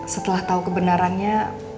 setelah tahu kebenarannya